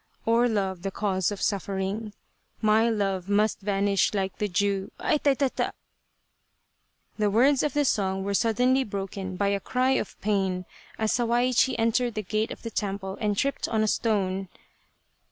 Or love the cause of suffering ? My love must vanish like the dew ... Aita ... ta ... ta ... The words of the song were suddenly broken by a cry of pain as Sawaichi entered the gate of the temple and tripped on a stone.